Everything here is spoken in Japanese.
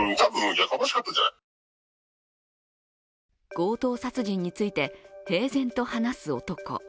強盗殺人について平然と話す男。